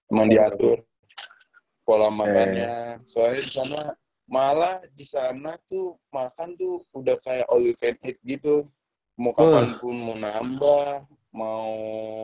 emang diatur pola makan nya soalnya disana malah disana tuh makan tuh udah kayak all you can eat gitu mau kapan pun mau nambah mau